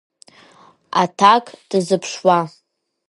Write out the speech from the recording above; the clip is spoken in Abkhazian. Аҭак дазыԥшуа.